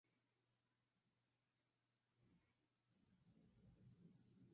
El perpetrador presuntamente había apuñalado a su hermano menor por ser homosexual.